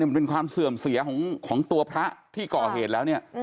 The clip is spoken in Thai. มันเป็นความเสื่อมเสียของตัวพระที่ก่อเหตุแล้วเนี่ย